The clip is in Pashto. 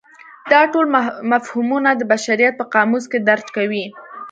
دا ټول مفهومونه د بشریت په قاموس کې درج کوي.